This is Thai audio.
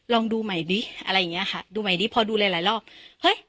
ลองดูใหม่ดิอะไรอย่างเงี้ยค่ะดูใหม่ดิพอดูหลายหลายรอบเฮ้ย